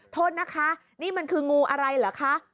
โทษนะคะนี่มันคืองูอะไรเหรอคะ